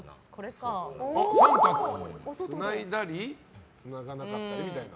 つないだり、つながなかったりみたいな。